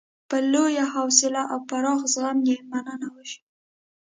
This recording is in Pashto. په لویه حوصله او پراخ زغم یې مننه وشي.